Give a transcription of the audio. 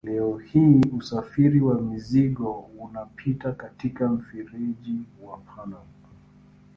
Leo hii usafiri wa mizigo unapita katika mfereji wa Panama.